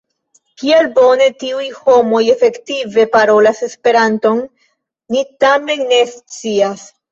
Kiel bone tiuj homoj efektive parolas Esperanton ni tamen ne scias.